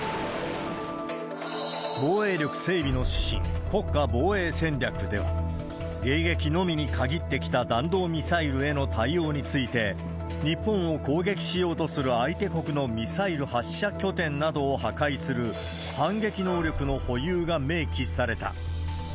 防衛力整備の指針、国家防衛戦略では、迎撃のみに限ってきた弾道ミサイルへの対応について、日本を攻撃しようとする相手国のミサイル発射拠点などを破壊する反撃能力の保有が明記された。